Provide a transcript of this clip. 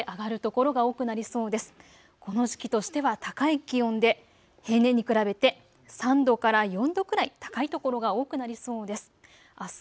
この時期としては高い気温で平年に比べて３度から４度くらい高い所が多くなりそうです。